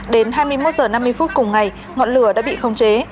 đến hai mươi một giờ năm mươi phút cùng ngày ngọn lửa đã bị không chế